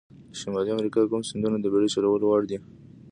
د شمالي امریکا کوم سیندونه د بېړۍ چلولو وړ دي؟